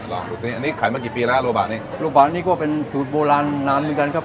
ลูกนี้อันนี้ขายมากี่ปีแล้วโรบะนี้โรบะนี่ก็เป็นสูตรโบราณนานเหมือนกันครับ